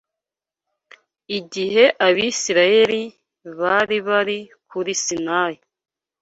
Igihe Abisirayeli bari bari kuri Sinayi